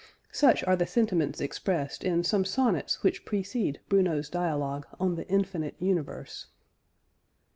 Such are the sentiments expressed in some sonnets which precede Bruno's dialogue "On the Infinite Universe."